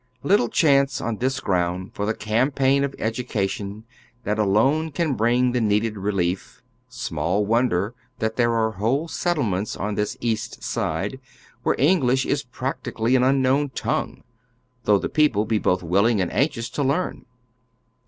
Little chance on this ground for the campaign of education that alone can bring the needed relief; small wonder that there are whole settlements on this East Side where English is practically an unknown tongue, though tlie people be both willing and anxious to learn.